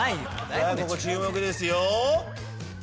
さあここ注目ですよ。